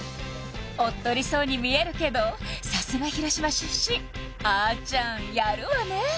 おっとりそうに見えるけどさすが広島出身あちゃんやるわね